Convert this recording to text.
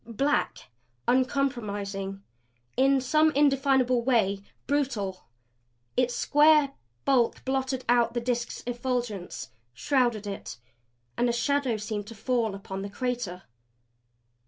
Black, uncompromising, in some indefinable way BRUTAL, its square bulk blotted out the Disk's effulgence; shrouded it. And a shadow seemed to fall upon the crater.